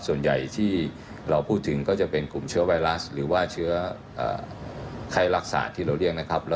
ส่วนใหญ่ที่เราพูดถึงก็จะเป็นกลุ่มเชื้อไวรัสหรือว่าเชื้อไข้รักษาที่เราเรียกนะครับ